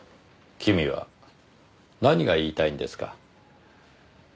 君は何が言いたいんですか？